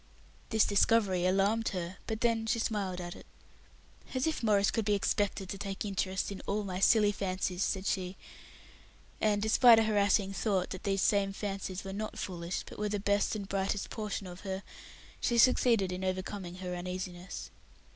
This discovery alarmed her, but then she smiled at it. "As if Maurice could be expected to take interest in all my silly fancies," said she; and, despite a harassing thought that these same fancies were not foolish, but were the best and brightest portion of her, she succeeded in overcoming her uneasiness.